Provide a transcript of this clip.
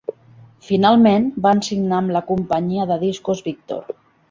Finalment van signa amb la companyia de discos Victor.